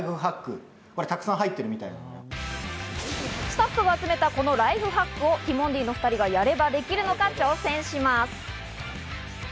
スタッフが集めたこのライフハックをティモンディの２人がやればできるのか挑戦します。